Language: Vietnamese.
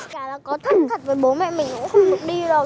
cả là có thật thật với bố mẹ mình cũng không được đi đâu